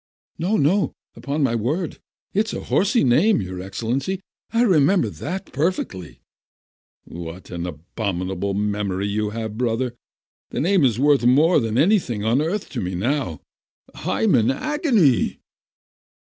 "No, no, upon my word, it's a horsey name, your Excellency, I remember that perfectly." "What an abominable memory you have, brother! That name is worth more than anything on earth to me now ! I'm in agony